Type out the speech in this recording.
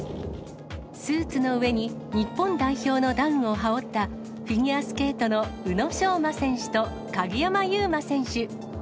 スーツの上に日本代表のダウンを羽織った、フィギュアスケートの宇野昌磨選手と、鍵山優真選手。